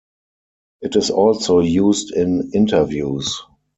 It is also used in interviews.